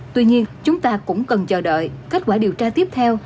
tuy nhiên chúng ta cũng cần chờ đợi kết quả điều tra tiếp theo